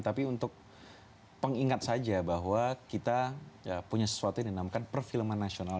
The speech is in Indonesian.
tapi untuk pengingat saja bahwa kita punya sesuatu yang dinamakan perfilman nasional